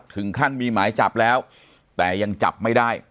ถึงขั้นมีหมายจับแล้วแต่ยังจับไม่ได้